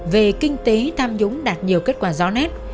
về kinh tế tham nhũng đạt nhiều kết quả rõ nét